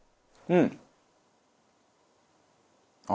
うん！